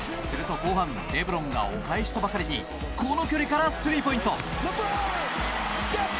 すると後半レブロンがお返しとばかりにこの距離からスリーポイント！